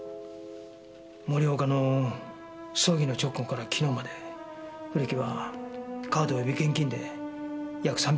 森岡の葬儀の直後から昨日まで古木はカード及び現金で約３００万近い金を使ってます。